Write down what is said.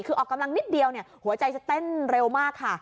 คือออกกำลังนิดเดียวหัวใจจะเต้นเร็วมากค่ะ